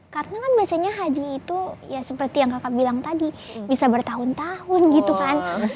karena kan biasanya haji itu ya seperti yang kakak bilang tadi bisa bertahun tahun gitu kan